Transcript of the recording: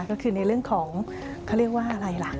ก็คือในเรื่องของเขาเรียกว่าอะไรล่ะ